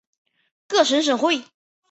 各省省会。